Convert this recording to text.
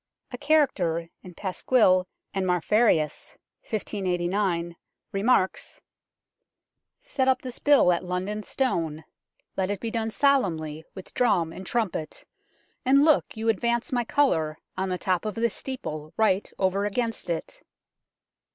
A character in Pasquill and Marfarius, 1589, remarks " Set up this bill at London Stone. Let it be doone sollemly with drom and trumpet and looke you advance my cullour, on the top of the steeple right over against it."